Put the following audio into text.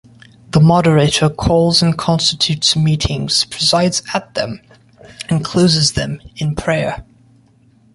The moderator calls and constitutes meetings, presides at them, and closes them in prayer.